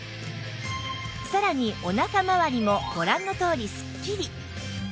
さらにお腹まわりもご覧のとおりスッキリ